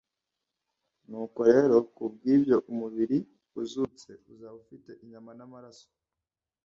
nuko rero kubw'ibyo umubiri uzutse uzaba ufite inyama n'amaraso,